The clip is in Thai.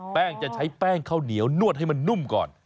แป้งจะใช้แป้งข้าวเหนียวนวดให้มันนุ่มก่อน